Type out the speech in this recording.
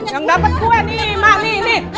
yang dapet gue nih mak nih nih